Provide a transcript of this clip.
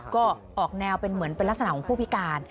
ก็ออกแนวเป็นเหมือนเป็นลักษณะของผู้พิการ